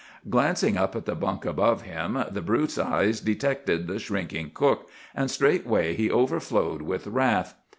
Glancing up at the bunk above him, the brute's eye detected the shrinking cook, and straightway he overflowed with wrath.